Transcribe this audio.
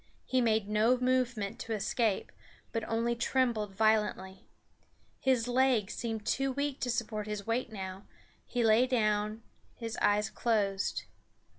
He made no movement to escape, but only trembled violently. His legs seemed too weak to support his weight now; he lay down; his eyes closed.